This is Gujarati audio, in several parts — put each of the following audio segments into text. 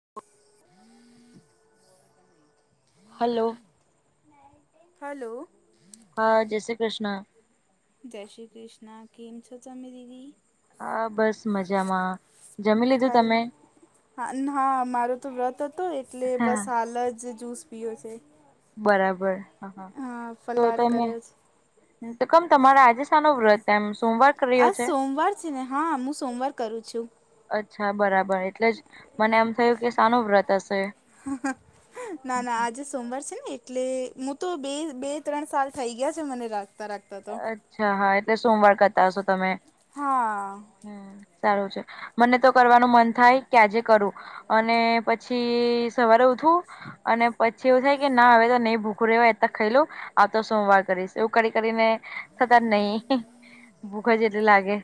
[inaudible] હલો. હલો. હા જય શ્રી કૃષ્ણ. જય શ્રી કૃષ્ણ કેમ છો તમે દીદી? હા બસ મજામાં જમી લીધું ખાઈલ તમે? હા ન મારો તો વ્રત હતો એટલે હા બસ હાલ જ જૂસ પીયો છે. બરાબર હ હ હા તો ફલાર તમે કર્યો છે. તો કમ તમારા આજે સાનો વ્રત એમ સોમવાર. કર્યો આજ છે સોમવાર છે ને હા મું સોમવાર કરું છું. અચ્છા બરાબર એટલે જ મને આમ થયું કે સાનું વ્રત હશે. ના-ના આજે સોમવાર છે ને એટલે હું તો બે-બે ત્રણ સાલ થઈ ગયા છે મને રાખતા-રાખતા તો. અચ્છા હા એટલે સોમવાર કરતા હશો તમે. હા. હમ્મ સારું છે મને તો કરવાનું મન થાય કે આજે કરું અને પછી પછી સવારે ઉઠુ અને પછી એવું થાય કે ના હવે તો નહી ભૂખું રહેવા એટલે ખઈ લઉ. આવતો સોમવાર કરીશ એવું કરી કરીને થતા જ નહી ભૂખ જ એટલી લાગે.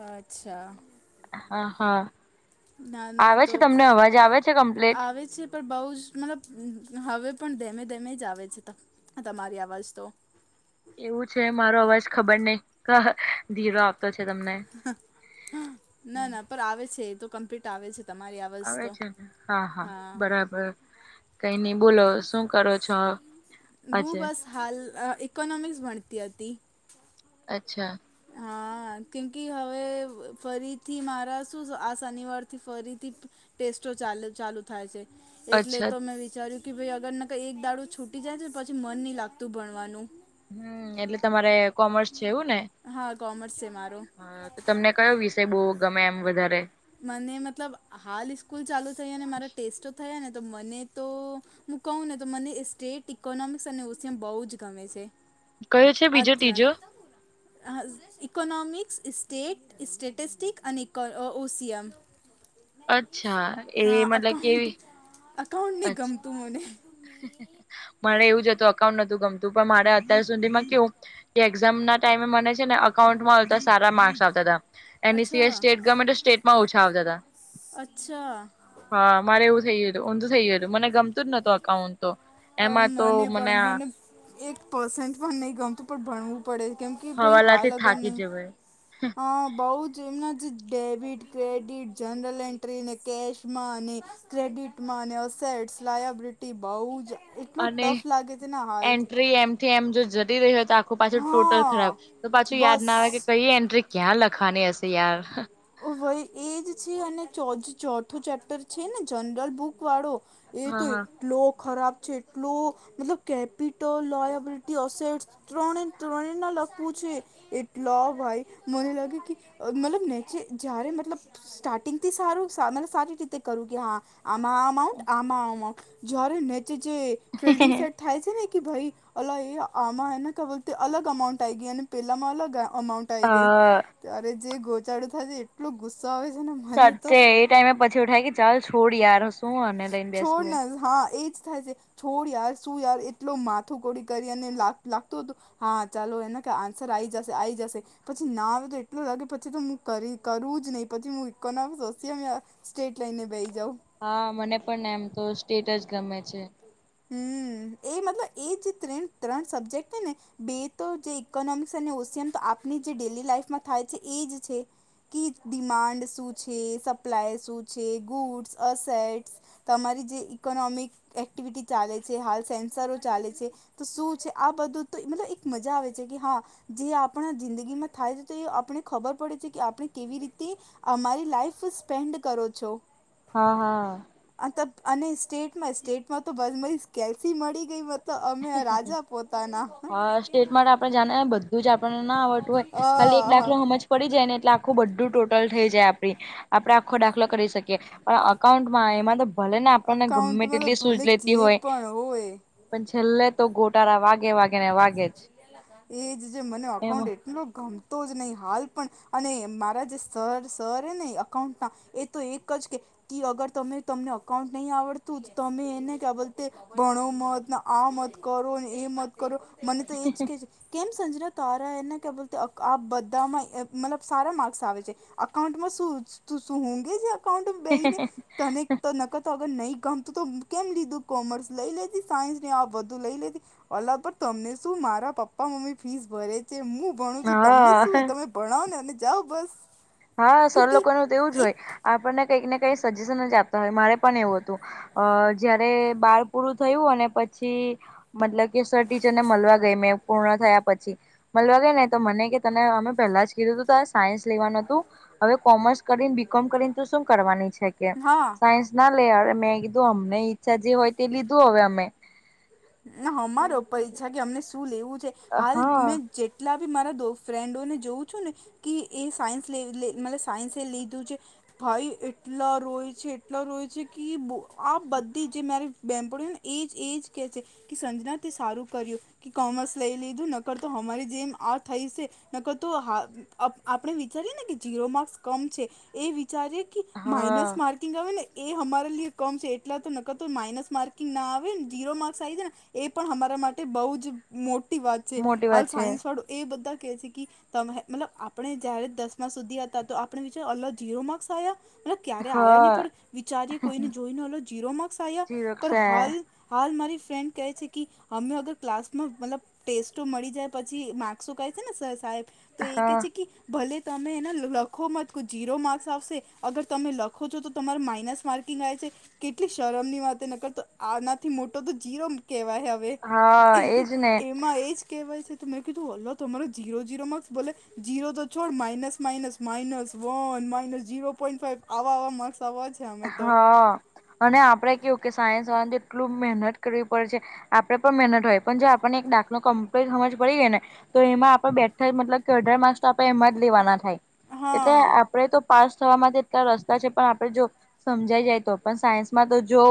અચ્છા. હા-હા ના ના આવે તો છે તમને અવાજ આવે છે કમ્પ્લીટ. આવે છે પણ બહુ જ મતલબ હવે પણ ધેમે ધેમે જ આવે છે તમારી અવાજ તો. એવું છે મારો અવાજ ખબર નહિ ધીરો આવ ના-ના પર આવે છે એ તો કમ્પ્લીટ આવે છે તમારી આવ આવે છે ને હા-હા બરાબર. કઈ નઈ બોલો હવે શું કરો છો? હું આજે બસ હાલ અ ઇકોનોમિક્સ ભણતી હતી. અચ્છા. હા. હા કેમ કે હવે ફરીથી મારા શું આ શનિવારથી ફરીથી- ટેસ્ટો ચાલ ચાલુ થાય છે એટલે અચ્છા તો મેં વિચાર્યું કે ભાઈ અગર નકે એક દાડૂ છૂટી જાય ને પછી મન નહી લાગતું ભણવાનું. હમ્મ એટલે તમારે કોમર્સ છે એવું ને. હા કોમર્સ છે મારુ. હમ્મ તો તમને કયો વિષય બહુ ગમે એમ વધારે. મને મતલબ હાલ ઇસ્કૂલ ચાલુ થઈ અને મારા ટેસ્ટો થયા ને તો મને તો મું કહુ ને તો મને સ્ટેટ, ઇકોનોમિક્સ અને ઓશિયમ બહુ જ ગમે છે. કયો છે બીજો અતરા. ત્રીજો હ ઇકોનોમિક્સ, ઇસ્ટેટ, ટેટિસ્ટિક અને ઇકો ઓસિયામ. અચ્છા એ મતલબ કેવી એકાઉન્ટ ની અચ્છા ગમતું મને. મારે એવું જ હતું અકાઉન્ટ નતું ગમતું પણ મારે અત્યાર સુધીમાં કેવું એક્ઝામ ના ટાઈમે મને છે ને અકાઉન્ટમાં આવતા સારા માર્ક્સ આવતા હતા. એના શિવાય અચ્છા સ્ટેટ ગમે તો સ્ટેટમાં ઓછા આવતા હતા. અચ્છા હા મારે એવું થઇ ગીયું હતું ઊંધું થઇ ગીયું હતું મને ગમતું [unintelligible] એકાઉન્ટ તો એમાં તો મને- - એક પર્સન્ટ પણ નહી ગમતું પણ ભણવું પડે કેમ કે ભાઈ હા હવાલાથી થાકી લગનને જવાય હા બહુ જ એમના જ ડેબિટ, ક્રેડિટ, જનરલ, એન્ટ્રી અને કેશમાં ક્રેડિટમાં અને અસેટ્સ, લાયાબિલિટી બહુ જ એટલો અને ટફ લાગે છે ને હાલ એન્ટ્રી એમથી એમ જો જતી રહી તો પાછું ટોટલ ખરાબ હા તો પાછું યાદ ના આવે કે બસ કઈ એન્ટ્રી ક્યાં લખવાની હશે યાર ભાઈ એજ છે અને ચોથો ચેપ્ટર છે ને જનરલ બુક વાળો એ હા તો હા એટલો ખરાબ છે એટલો મતલબ કેપિટલ લયાબિલિટી અસેટ્સ- ત્રણેય ત્રણેય ના લગતુ છે એટલા ભાઈ મને લાગે મતલબને જયારે મતલબ સ્ટાર્ટિંગ થી સારું સારી રીતે કરું કે હા આમાં આ અમાઉન્ટ આમાંઆ અમાઉન્ટ જ્યારે નીચે જે ફિલ્ડિંગ સેટ થાય છે ને કે ભાઈ અલા એ આમાં હાને કે બોલતે અલગ અમાઉન્ટ આઈ ગયા અને પેલામાં અલગ અમાઉન્ટ કંટાઈ અ ગઈ, ત્યારે જે ગોટાળો થાય છે. એટલો ગુસ્સો આવે છે ને, મને તો સાચે એ ટાઈમે પછી એવુ થાય કે પછી ચાલ છોડ યાર શું આને લઈને છોડ ને બેસવું હા એજ થાય છે. છોડ યાર શું યાર એટલો માથું કોડી કરી અને લાગતું હતું. હા, ચાલો એટલે કે આન્સર આવી આવી જશે. પછી ના આવે તો એટલું લાગે પછી તો હું કરી કરું નહી પછી [unintelligible] સ્ટ્રેટ લઈનને બેસી જાઉ. હા, મને પણ એમ તો સ્ટેટ જ ગમે છે. હમ. એ મતલબ એ જે ત્રણ સબ્જેક્ટ છે ને બે તો જે ઈકોનોમિક્સ અને ઓશિયન તો આપણી જે ડેલી લાઈફમાં થાય છે એ જ છે. કે ડિમાન્ડ શું છે, સપ્લાય શું છે, ગુડ્સ, અસેટ્સ તમારી જે ઇકોનોમિક એક્ટિવિટી ચાલે છે. હાલ સેન્સરો ચાલે છે. તો શું છે આ બધું તો, મતલબ એક મજા આવે છે કે હા. જે આપણા જિંદગીમાં થાય છે તો, એ આપણે ખબર પડે છે કે આપણે કેવી રીતે અમારી લાઈફ સ્પેડ કરો છો. હા. હા. આ અને સ્ટેટમાં તો બસ કેલ્સી મળી ગઈ તો અમે રાજા પોતાના સ્ટેટ માટે આપણે જાણે ને બધું જ આપણને ના આવડતું હોય, અ ખાલી એક દાખલો સમજ પડી જાયને એટલે આખું બધું ટોટલ થઈ જાય આપણે આપણે આખો દાખલો કરી શકીએ. પણ એકાઉન્ટમાં એમા તો ભલેને આપણને ગમે અકાઉન્ટમાં તો તેટલી સૂઝ ભલે લેતી હોય. [unintelligible] પણ છેલ્લે તો ગોટાળા વાગે વાગે ને વાગે જ એજ મને અકાઉન્ટ એમાં એટલું ગમે તો જ નહી. હાલ પણ અને મારા જે સર સર છે ને અકાઉન્ટના એ તો એક જ કહે અગર તમે તમને એકાઉન્ટ નહી આવડતું તમે એને ભણો નહી, આ નહી કરો, એ નહી કરો. મને તો એજ કે છે કેમ સંજરા તારા એને કે આ બધામાં મતલબ સારા માર્ક્સ આવે છે. અકાઉન્ટમાં શું તુ ઊઘે છે. અકાઉંન્ટ બેસી ને તને તો અગર નહીં ગમતું, તો કેમ લીધું, કોમર્સ લઈ લેતી સાયન્સને આ બધું લઈ લેતી અલા તમને શું મારા પપ્પા મમ્મી ફીસ ભરે છે, હું ભણું છું. તમને શું? હા તમે ભણાવોને અને જાઓ બસ. હા, સર કેમ કે લોકોનું તો એવું જ હોય, એક આપણને કંઈક ને કઈક સજેશન જ આપતા હોય. મારે પણ એવું હતું. અહ જયારે બાર પૂરું થયું અને પછી મતલબ કે સર ટીચરને મલવા ગઈ, મેં પૂર્ણ થયા પછી. મલવા ગઈને તો મને કે તને અમે પહેલા જ કીધું તું તો આ સાયન્સ લેવાનું હતું હવે, કોમર્સ કરીને, બી કોમ કરીને, તો શું કરવાની છે કે હા સાયન્સ ના લેયરે, મેં કીધું. અમને ઈચ્છા જે હોય તે લી ના હમારો પર ઈચ્છા કે અમને શું લેવું છે. હાલ હા મેં જે ના મારા બી દો ફ્રેન્ડો ને જોઉં છું ને કે એ સાયન્સ લે લે મતલબ એ સાયન્સ એ લીધું છે ભાઈ એટલા રોય છે, એટલા રોય છે કે બો આ બધી જે મારી બેમ્પળીઓને એજ એજ કહે છે કે સંજના તે સારું કર્યું કે કોમર્સ લઈ લીધું નકર તો અમારી જેમ આ થઈ છે. નકર તો હા, આપણે વિચારીએેને કે જીરો માર્ક્સ કમ છે. એ વિચારી તો હા માઇનસ માર્કિંગ આવેને એ અમારા લિયે કમ છે. એટલા તો નકર તો માઇનસ માર્કિંગના આવેને જીરો માર્ક્સ આવી જાયને એ પણ અમારા માટે બઉ જ મોટી વાત છે. મોટી હાલ, વાત છે સાયન્સ વાળુ એ બધા કહે છે કે તમેહ મલ આપણે જયારે દસના સુધી હતા તો આપણે જો અલો જીયો માકસ આયા. રે ક્યારે આયા ની હા પળ વિચારયુ કોઈને જોઈનો ઓલો જીરો માકસ આયા. જીરોક્ષ હાલ મારી ફ્રેન કહે છે કી હમે અગર ક્લાસમાં મલબ ટેસ્ટો મળી જાય પછી માકસો કહે છે ને સ-સાહેબ તો એ હા કે છે કી ભલે તમે એનેલ લખો મત કો જીરો માકસ આવશે અગર તમે લખો ચો તો તમાર માઇનસ માકૅ કીનાયચે કેટલી શરમ ની વાત નકરતો આનાથી મોટો તો જીરો કેવાહ યહ. વે હા એહ એજ ને એમાં એ જ કેવાય શે તો મેં કીધું ઓલો હમારો જીયો જીરો માકસ બોલે જીયો તો છોડ minus minus minus one minus zero point five આવા આવા માક્સ આવચ હ અને આપરે કેવું કે સાયન્સ વાન્દ તો એટલું મહેનત કરવી પર છે. આપરે પર મેહનત હોય પન જો આપને એક ડાખલો કમ્પીન હમજ પડી જાય ને તો એમાં આપણ બેઠા હોય મતલબ કે અઢાર માકસ આપડે એમજ લેવાના ઠાય એટલે હા આપરે તો પાસ થવા માજ એટલા રસ્તા છે પણ આપડે જો સમજાઈ જાય તો પણ સાયન્સમાં તો જો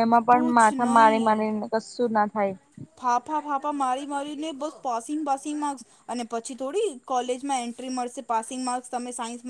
એમાં પણ કુછ માથા મારી નહીં મારીને કશું ના થાય. ફાફા ફાફા મારી મારીને બસ પોસિંગ પાસિંગ માકસ અને પછી થોળી કોલેજમાં એન્ટ્રી મળશે પાસિંગ માર્ક્સ તમે સાયન્સ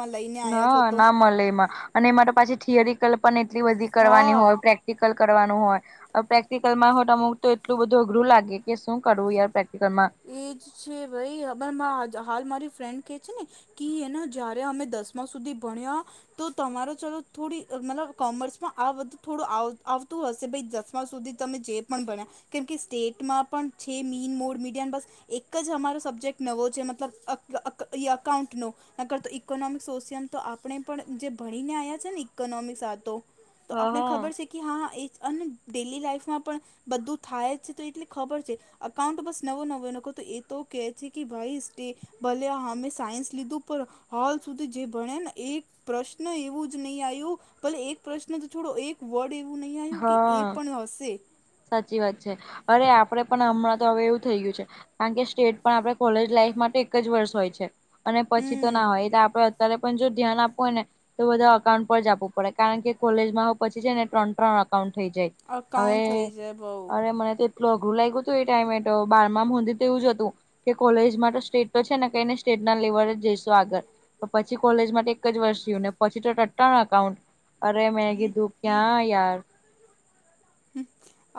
હા ના મલે એમાં અને એ માટો પાછી ઠિયરિકલ પન એટલી બધી કરવાની હા હોય પ્રેક ટિકલ કરવાનું હોય. અહ પ્રેક્ટિકલ માં હો ટો અમાઉટ તો એટલુ બધું અઘરું લાગે કે શું કરવું યાર પ્રેક્ટિકમાં એજ છે ભઈ હબના હાજા હાલ મારી ફ્રેન્ડ કે છે ને કે એનું જયારે હમે દસમા સુધી ભણ્યા તો તમારો ચલો થોડી મતલબ કોમર્સમાં આ બધું થોડું આવ આવતું હશે ભઈ જશ ત્યાં સુધી તમે જે પણ ભણ્યા કેમકે સ્ટેટમાં પણ છે મીન મોળ મીડ જ્યાં બસ એક જ હમારો સબ્જેક નવો છે મતલબ અક અક ઈ કાઉન્ટ નો નકર તો ઈકોનમ સોશિયન તો આપણે પણ જે ભણીને આયા છે ને ઇકોનોમિક્સ આતો તો હા આપણે હા ખબર શી કે હા એચ અન ડેલી લાઈફમાં પણ બધું થાય જ છે તો એટલે ખબર છે અકાઉન્ટ બસ નવો નવો નોકો તો એ તો કે છી કે ભાઈ સ્ટે ભલે હમે સાયન્સ લીધું, પણ હાલ સુધી જે ભણે ને એ પ્રશ્ન એવું જ નહીં આયુ, ભલે એક પ્રશ્ન તો છોડો એક વર્ડ એવું નઈ આયુ કે એ હા પણ હશે. સાચી વાત છે. અરે આપણે પન હમણાં તો હવે એવું થઈ ગયું છે. કારણ કે સ્ટેટ પણ આપણે કોલેજ લાઈફ માટે એક જ વર્ષ હોય છે. અને પછી તો હમ ના હોય. એટલે આપણે અત- ત્યારે પન જો ધ્યાન આપવું હોય ને તો બધા અકાઉન્ટ પર જ આપવું પડે. કારણ કે કોલેજમાં હો પછી છે ને ત્રણ-ત્રણ અકાઉન્ટ થઈ જાય. અકાઉન્ટ થઈ હવે, જાય બઉ અરે મને તે ઐટલો અઘરું લાયગુ તું એ ટાઈમે ટો, બારમાંમ હુધી એવું જ હતું. કે કોલેજમાં તો સ્ટેટ તો છે ને, કંઈ નહીં. સ્ટેટ ના લેવલે જ જઈશું આગળ. તો પછી કોલેજ માટે એક જ વર્ષ રહ્યું. ને પછી તો ત્રણ-ત્રણ અકાઉન્ટ અરે મે કીધું કયાં યાર.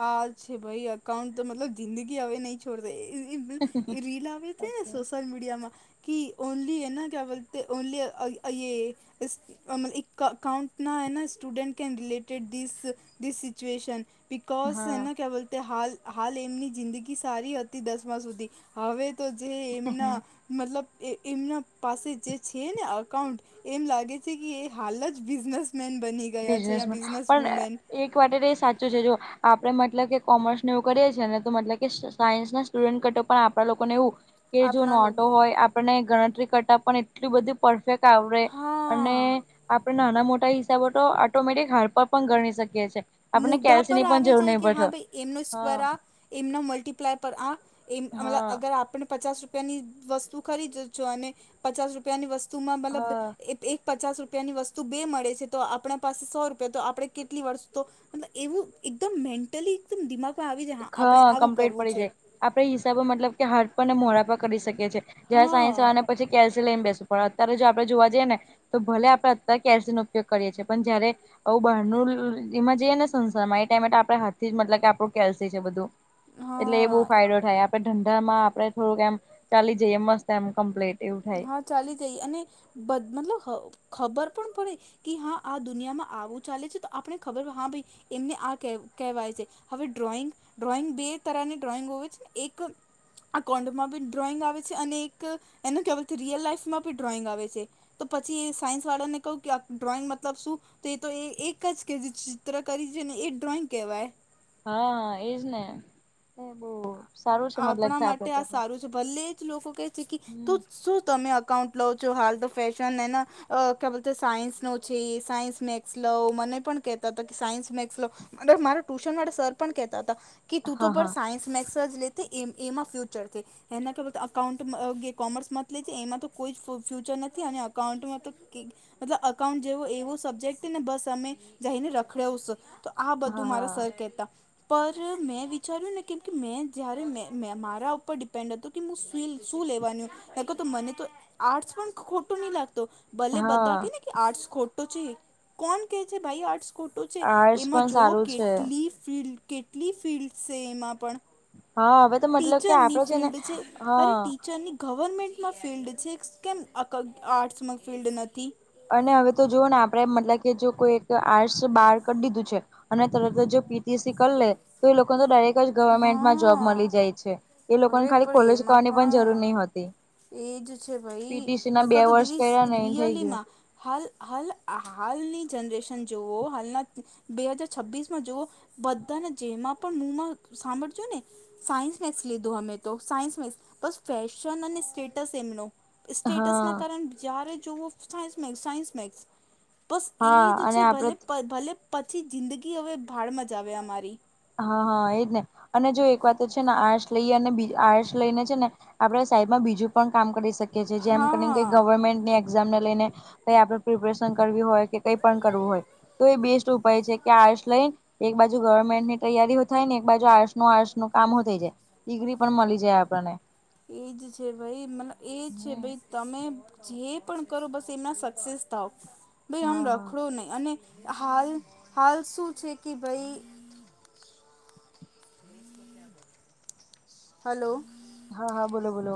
આ જ છે ભઈ. અકાઉન્ટ તો મતલબ જિંદગી હવે નહીં છ [unintelligible] ઈ રીલ આવી તી ને સોશલ મીડિયામાં કી ઓનલી હે ના, કયાં બોલતે? ઓનલી [unintelligible] અમ ઇક અકાઉન્ટ ના હે ના સ્ટુડન્ટ કેન રિલેટેડ ધીસ-ધીસ શીચ્યુએશ ન, બિકોઝ હે હા ના ક્યાં બોલતે હાલ હાલ એમની જિંદગી સારી હતી, દસમાં સુધી. હવે તો જે એમના મતલબ એ એમના પાસે જે છે ને અકાઉન્ટ એમ લાગે છે કે ઈ હાલ જ બિઝનેસમેન બની ગયા છે યા બિઝનેસમેન બિઝનેસ પણ વુમેન એક વાતે તો એ સાચું છે. જો આપણે મતલબ કે કોમર્સ ને એવું કરીએ છે ને, તો મતલબ કે સાયન્સ ના સ્ટુડન્ટ કરતાં પણ આપણા લોકોને એવું કે જો આપણા નોટો લોકો હોય, આપણને ગણતરી કરતા પણ એટલું બધું પરફેક્ટ આવડે. અને હા આપણે નાના-મોટા હિસાબો [unintelligible] પર પણ ગણી શકીએ છે. મુઢા પર આવી જાય, કે હા ભઈ, એમનો હા સ્ક્વેર આ. એમના મલ્ટીપ્લાય પર આ એમ. [unintelligible] હા અગર આપણને પચાસ રૂપ પિયાની વસ્તુ ખરીદ જ જોઈને, પચાસ રૂપિયાની વસ્તુ માં મતલબ હા [unintelligible] પચાસ રૂપિયાની વસ્તુ બે મળે છે. તો આપણા પાસે સો રૂપિયા. તો આપણે કેટલી વર્ષ તો, મતલબ એવું એકદમ મેન્ટલી એકદમ દિમાગમાં આવી જાય, હા આપણે આવું કમ્પ્લીટ કરવું પડી છે. જાય આપણે હિસાબો મતલબ, કે હાથ પર ને મોડા પર કરી શકીએ છે. જ્યારે હા સાયન્સવાળા ને પછી કેલ્શ શિ લઈને બેસું પડે. અત્યારે જો આપણે જોવા જઈએ ને, તો ભલે આપણે અત્યારે કેલ્શિ નો ઉપયોગ કરીએ છીએ. પણ જયારે આવું બહારનું [unintelligible] એમાં જઈએ ને સંસાર માં, એ ટાઈમે તો આપણે હાથથી જ મતલબ કે આપણું કેલ્શિ છે બધું. એટલે એ બહુ હા ફાયદો થાય. આપણે ધંધ ધામાં આપણે થોડુંક એમ ચાલી જઈએ, મસ્ત એમ કમ્પ્લીટ એવું થાય. હા ચાલી જઈ. અને બદ મતલબ હ ખબર પણ પડે કિ હા આ દુનિયામાં આવું ચાલે છે, તો આપણે ખબર [unintelligible] હા ભાઈ એમને આ ક કહેવાય છે. હવે ડ્રોઈંગ ડ્રોઈંગ બે તરહની ડ્રોઈંગો હોવે છે. એક આ કોન્ડમાં બી ડ્રોઈંગ આવે છે. અને એક એનો કહેવાયથી રિયલ લાઈફમાં ભી ડ્રોઈંગ આવે છે. તો પછી એ સાયન્સવાળાને કહું, કે આ ડ્રોઈંગ મતલબ શું તો એ તો એ એક જ [unintelligible] ચિત્ર કરી છે ને એ ડ્રોઈંગ કહેવાય. હા, એજ ને. એ બહુ આ સારું છે મતલબ આપણા કે આપડે માટે આ તો સારું છે, ભલે જ લોકો કહે છે, કિ હમ તું શું તમે અકાઉન્ટ પ્વ જો હાલ તો ફશન એને અ કે બોલ સાયન્સ નો છે. સાયન્સ મેક્સલોવ મને પણ કેહેતા હતા, કે સાયન્સ મેક્સલો મારા ટુશન વાળા સર પણ કેહેતા હતા, કે તું હા તો પણ હા સાયન્સ મેક્સર્ લેતે એમ એમ આફ ફ્યુચર કે, એના ખબ અકાઉન્ટમાં જે કોમર્સ મત લે છે. એમાં તો કોઈ ફ્યુચર નથી અને અકાઉન્ટમાં તો મતલબ અકાઉન્ટ જેવો એવું સબ્જેક્ટને બસ અમે જઈને રખડ- આ બધું મારા હા સર કહેતા પર મેં વિચાર્યું ને કેમકે મેં જ્યારે મે મે મારા ઉપર ડિપેન્ડ હતું કે હું શ શું લેવાનું હેકો તો મને તો આર્ટસ પણ, ખોટો નહી લાગતો ભલે બધા હા કે ને કે આર્ટસ ખોટો છે. કોણ કે છે ભાઈ આર્ટસ ખોટ છે આર્ટસ પણ જોવો સારું છે કેટલી કેટલી ફિલ્ડ છે. એમાં પણ હા હવે તો મતલબ કે ટીચરની આપડો છે. ને ફિલ્ડ અરે હા ટીચરની ગવર્મેન્ટમાં ફિલ્ડ છે કેમ આ આર્ટ્સમાં ફિલ્ડ નથી અને હવે તો જોુઓ ને આપણેે મતલબ કે જો કોઈ એક આર્ટસ બહાર ક દીધું છે, અને તરત જ જો પીટીસી કરી લે તો એ લોકોને ડાયરેક્ટ જ ગવર્મેન્ટમાં જોબ હા મળી જાય છે. એ લોકોને અરે ખાલી પણ ખોલેજ એમાં કરવાની પણ જરૂર નહી હોતી, એજ છે. ભાઈ પીટીસી ના બે નકતો વર્ષ કર્યા દીદી ને એ થઈ ગયું રિયલીમાં હાલ હાલ હાલની જનરેશન જોુવઓ હાલના હજાર છબ્વીીસ માં જોવા, બધાને જેમાં પણ મુમાં સાંભળજો ને સાયન્સ મેક્સ લીધું અમે તો સાયન્સ મેક્ બસ ફેશન અને, સ્ટેટસ એમનો સ્ટેટસ હા ના કર જ્યારે જવો સાયન્સ મેક્સ... બસ એ હા જ અને છે આપડે ભલે પ ભલે પછી જિંદગી હવે ભાડ મ જ આવે અમારી [inaudible] હા હા એજ ને અને જો એક વાત તો છે, ને આર્ટસ લઈ અને બી આર્ટસ લઈને છે. ને આપડે સાઈડમાં બીજું પણ કામ કરી શકીએ. કે જેમ કરીને હા ગવર્મેન્ટની એક્ઝામ ને લઈને કઈ આપણે પ્રિપેરેશન કરવી હોય, એ કઈ પણ કરવું હોય તો એ બેસ્ટ ઉપાય છે. કે આર્ટસ લઈન એક બાજુ ગવર્મેન્ટને, તૈયારીઓ થાય ને એક બાજુ આર્ટસ નું આર્ટસ નું કામો થઈ જાય ડિગ્રી પણ મળી જાય આપણને, એજ છે, ભાઈ મતલબ એજ છે, હમ ભાઈ તમે જે પણ કરો બસ એમાં સક્સેસ થાવ ભાઈ આમ હા હા રખડો નહી અને- હાલ હાલ શું છે. કે ભાઈ! હલો.? હા હા બોલો બોલો.